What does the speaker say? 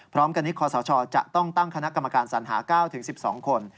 พร้อมกันนี้คศจะต้องตั้งคณะกรรมการสัญหา๙๑๒คน